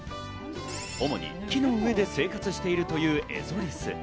主に木の上で生活しているというエゾリス。